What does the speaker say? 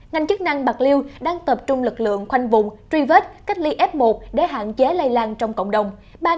ngành chức năng bạc liêu đang tập trung lực lượng khoanh vùng truy vết cách ly f một để hạn chế lây lan trong cộng đồng